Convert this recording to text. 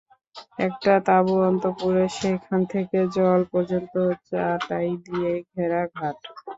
একটা তাঁবু অন্তঃপুরের, সেখান থেকে জল পর্যন্ত চাটাই দিয়ে ঘেরা ঘাট।